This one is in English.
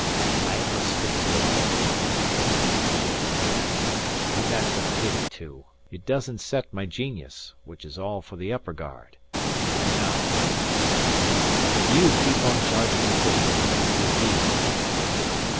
"I must stick to the point," he said, shaking his head; "and that's a pity, too. It doesn't set my genius, which is all for the upper guard. And, now," said he, "do you keep on charging the pistols, and give heed to me."